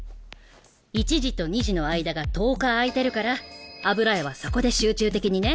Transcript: １次と２次の間が１０日空いてるから油絵はそこで集中的にね。